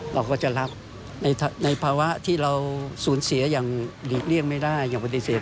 เราก็จะรักในภาวะที่เราสูญเสียอย่างหลีกเลี่ยงไม่ได้อย่างปฏิเสธ